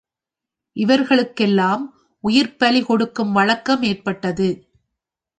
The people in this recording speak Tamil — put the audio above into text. இவர்களுக்கெல்லாம் உயிர்ப்பலி கொடுக்கும் வழக்கம் ஏற்பட்டது.